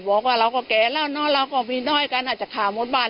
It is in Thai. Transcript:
บอกว่าเราก็แก่แล้วเนอะเราก็มีน้อยกันอาจจะข่าวหมดบ้าน